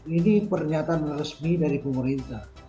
ini pernyataan resmi dari pemerintah